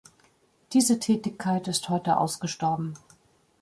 Diese Tätigkeit ist heute ausgestorben.